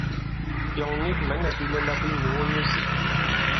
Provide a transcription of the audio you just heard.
Byɔ̂ŋ nik mɛ̌ nɛ̄ bilɛla bī nùu nyu isī.